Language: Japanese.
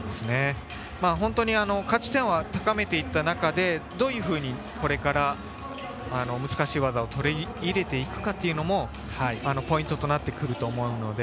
本当に、価値点を高めていった中でどういうふうにこれから難しい技を取り入れていくかというのもポイントとなってくると思うので。